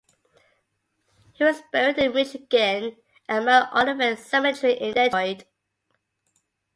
He was buried in Michigan at Mount Olivet Cemetery in Detroit.